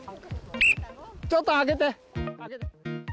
ちょっとあけて！